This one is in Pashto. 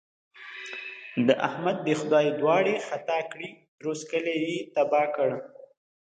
د احمد دې خدای دواړې خطا کړي؛ درست کلی يې تباه کړ.